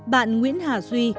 bạn nguyễn hà duy